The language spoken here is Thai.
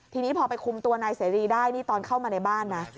ทีนี้พอไปคุมตัวนายเสรีได้นี่ตอนเข้ามาในบ้านนะ